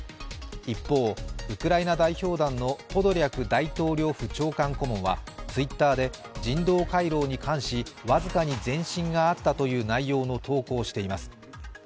一方、ウクライナ代表団のポドリャク大統領府長官顧問はＴｗｉｔｔｅｒで、人道回廊に関し僅かに前身があったという内容の投稿をしています。